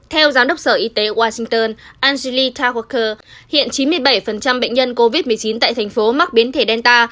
theo giám đốc sở y tế washington algili tagoker hiện chín mươi bảy bệnh nhân covid một mươi chín tại thành phố mắc biến thể delta